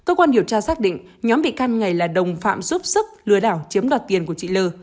cơ quan điều tra xác định nhóm bị can này là đồng phạm giúp sức lừa đảo chiếm đoạt tiền của chị l